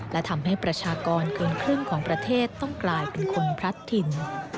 และทำให้ประชากรเกินครึ่งของประเทศต้องกลายเป็นคนพลัดถิ่น